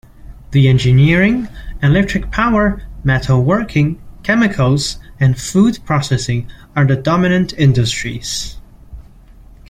The engineering, electric-power, metal-working, chemicals, and food processing are the dominant industries.